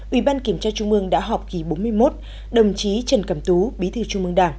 ubkt đã họp kỳ bốn mươi một đồng chí trần cẩm tú bí thư trung mương đảng